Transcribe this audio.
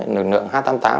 lực lượng h tám mươi tám